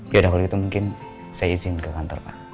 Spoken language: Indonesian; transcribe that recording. kalau gitu mungkin saya izin ke kantor pak